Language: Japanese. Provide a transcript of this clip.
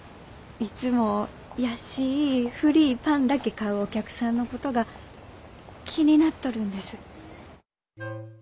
いつも安い古いパンだけ買うお客さんのことが気になっとるんです。